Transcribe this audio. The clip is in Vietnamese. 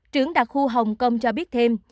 trưởng đặc khu hồng kông cho biết thêm